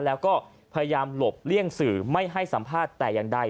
แล้วก็พยายามหลบเลี่ยงสื่อไม่ให้สัมภาษณ์แต่อย่างใด